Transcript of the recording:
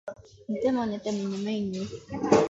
寝ても寝ても眠いんです